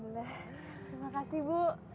terima kasih bu